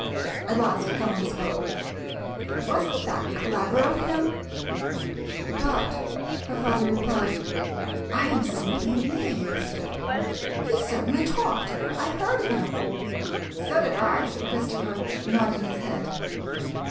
At last Helen spoke :" Was n't that clever of him ?"" But," her father replied, " I am simply amazed! He certainly talked. I heard him." "So did I," said Christopher, nodding his head.